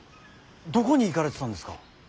どこに行かれてたんですか。